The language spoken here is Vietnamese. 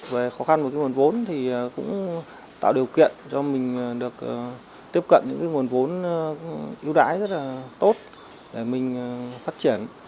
về khó khăn của cái nguồn vốn thì cũng tạo điều kiện cho mình được tiếp cận những cái nguồn vốn ưu đãi rất là tốt để mình phát triển